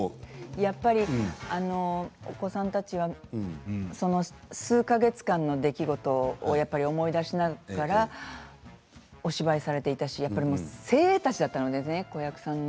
やっぱりお子さんたちはその数か月間の出来事をやっぱり思い出しながらお芝居されていたし精鋭たちだったので子役さんたち。